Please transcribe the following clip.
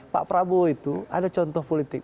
pak prabowo itu ada contoh politik